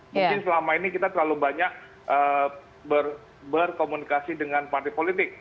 mungkin selama ini kita terlalu banyak berkomunikasi dengan partai politik